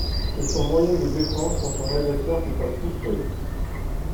C'est son moyen de défense contre un agresseur qui passe tout près.